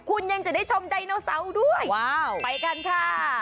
คุณยังจะได้ชมไดโนเซาด้วยว้าวไปกันค่ะ